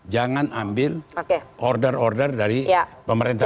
jangan ambil order order dari pemerintah